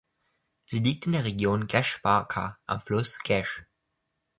Sie liegt in der Region Gash-Barka, am Fluss Gash.